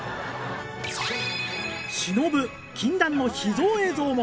しのぶ禁断の秘蔵映像も！